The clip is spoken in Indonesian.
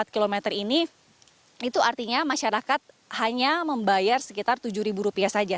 lima enam puluh empat km ini itu artinya masyarakat hanya membayar sekitar rp tujuh saja